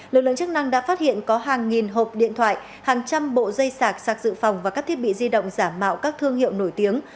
lực lượng chức năng đã phát hiện có hàng nghìn hộp điện thoại hàng trăm bộ dây sạc sạc dự phòng và các thiết bị di động giả mạo các thương hiệu nổi tiếng